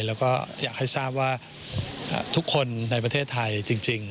แล้วก็อยากให้ทราบว่าทุกคนในประเทศไทยจริง